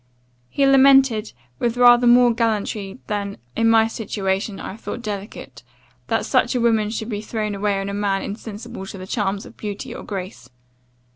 He lamented, with rather more gallantry than, in my situation, I thought delicate, that such a woman should be thrown away on a man insensible to the charms of beauty or grace.